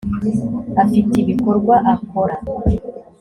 afite ibikorwa akora